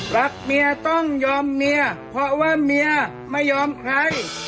รักเมียต้องยอมเมียเพราะว่าเมียไม่ยอมใคร